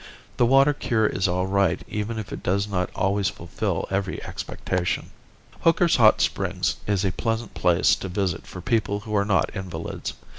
The water cure is all right even if it does not always fulfill every expectation. Hooker's hot springs is a pleasant place to visit for people who are not invalids.